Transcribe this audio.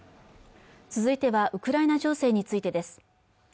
続いてはウクライナ情勢についてです